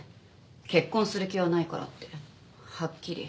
結婚する気はないからってはっきり。